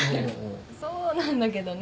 そうなんだけどね